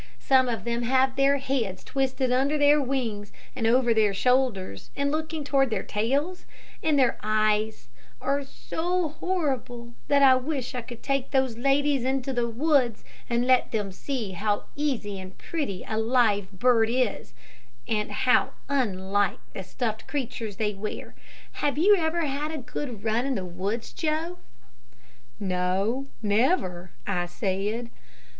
Some of them have their heads twisted under their wings and over their shoulders, and looking toward their tails, and their eyes are so horrible that I wish I could take those ladies into the woods and let them see how easy and pretty a live bird is, and how unlike the stuffed creatures they wear. Have you ever had a good run in the woods, Joe?" "No, never," I said.